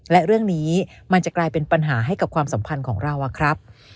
และเรื่องนี้มันจะกลายเป็นปัญหาให้กับความสัมพันธ์ของเราอะครับ